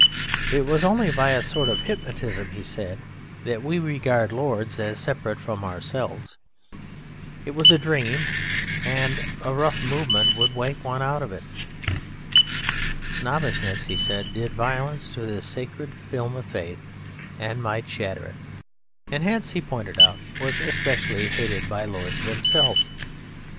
It was only by a sort of hypnotism, he said, that we regarded Lords as separate from ourselves. It was a dream, and a rough movement would wake one out of it. Snobbishness (he said) did violence to this sacred film of faith and might shatter it, and hence (he pointed out) was especially hated by Lords themselves.